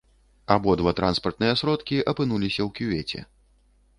Абодва транспартныя сродкі апынуліся ў кювеце.